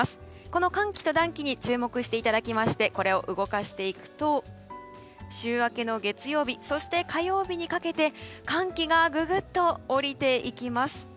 この寒気と暖気に注目いただきましてこれを動かしていくと週明けの月曜日、そして火曜日にかけて寒気がぐぐっと降りていきます。